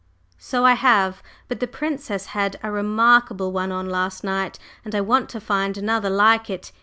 "So I have. But the Princess had a remarkable one on last night, and I want to find another like it.